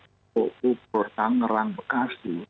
pukul pertang ngerang bekasi